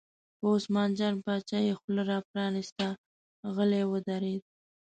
په عثمان جان باچا یې خوله را پرانسته، غلی ودرېد.